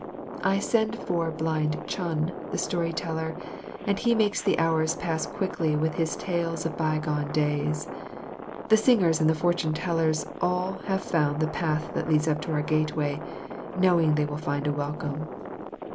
I send for Blind Chun, the story teller, and he makes the hours pass quickly with his tales of by gone days. The singers and the fortune tellers all have found the path that leads up to our gateway, knowing they will find a welcome.